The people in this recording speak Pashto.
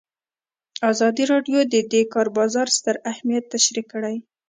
ازادي راډیو د د کار بازار ستر اهميت تشریح کړی.